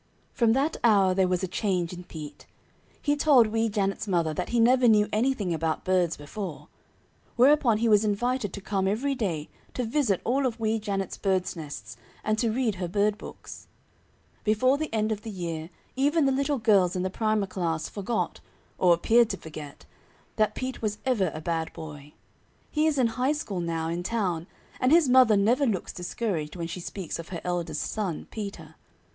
From that hour there was a change in Pete. He told Wee Janet's mother that he never knew anything about birds before; whereupon he was invited to come every day to visit all of Wee Janet's birds' nests and to read her bird books. [Illustration: The Robin's Nest] Before the end of the year even the little girls in the Primer Class forgot, or appeared to forget, that Pete was ever a bad boy. He is in high school now, in town, and his mother never looks discouraged when she speaks of her eldest son, Peter.